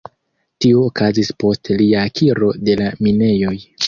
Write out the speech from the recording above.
Tio okazis post lia akiro de la minejoj.